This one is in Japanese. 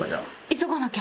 急がなきゃ！